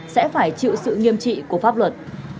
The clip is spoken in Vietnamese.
sẽ phải chịu sự nghiêm trị của pháp luật